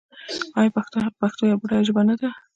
آیا پښتو یوه بډایه ژبه نه ده؟